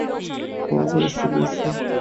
ও আমার স্ত্রী, লুইসা।